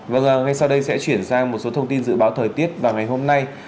vâng ngay sau đây sẽ chuyển sang một số thông tin dự báo thời tiết vào ngày hôm nay